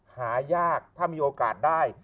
หายากถ้ามีโอกาสได้